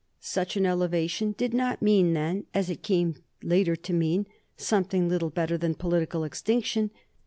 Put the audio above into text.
Such an elevation did not mean then, as it came later to mean, something little better than political extinction.